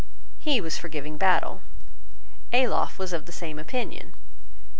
He was for giving battle. Ayloffe was of the same opinion.